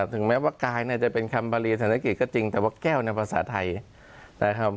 ถึงแม้ว่ากายจะเป็นคำบารีศาสนกิจก็จริงแต่ว่าแก้วในภาษาไทย